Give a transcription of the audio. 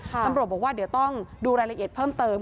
ตำรวจบอกว่าเดี๋ยวต้องดูรายละเอียดเพิ่มเติม